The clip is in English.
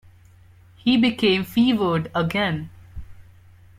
He became fevered again.